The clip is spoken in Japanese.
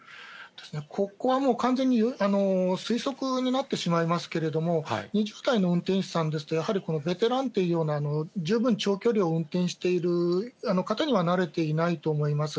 ここはもう完全に推測になってしまいますけれども、２０代の運転手さんですと、やはりベテランというような、十分長距離を運転している方にはなれていないと思います。